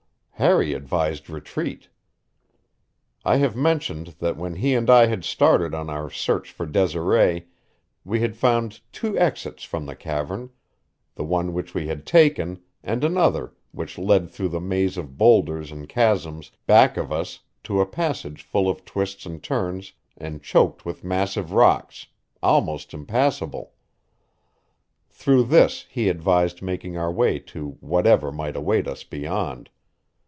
Harry advised retreat. I have mentioned that when he and I had started on our search for Desiree we had found two exits from the cavern the one which we had taken and another which led through the maze of boulders and chasms back of us to a passage full of twists and turns and choked with massive rocks, almost impassable. Through this he advised making our way to whatever might await us beyond.